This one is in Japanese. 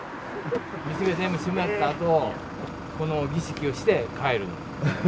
店が全部閉まったあとこの儀式をして帰るの。